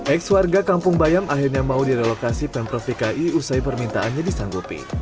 ex warga kampung bayam akhirnya mau direlokasi pemprov dki usai permintaannya disanggupi